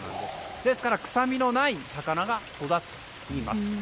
ですから、くさみのない魚が育つといいます。